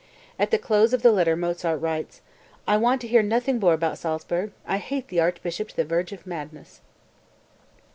At the close of the letter Mozart writes: "I want to hear nothing more about Salzburg; I hate the archbishop to the verge of madness.")